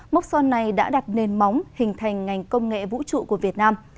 mốc son này đã đặt nền móng hình thành ngành công nghệ vũ trụ của việt nam